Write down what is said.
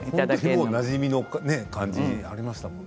なじみな感じがありましたものね。